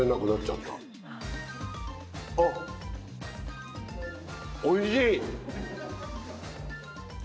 あおいしい。